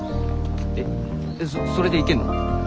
えっそれでいけんの？